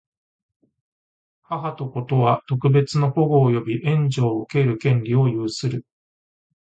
母と子とは、特別の保護及び援助を受ける権利を有する。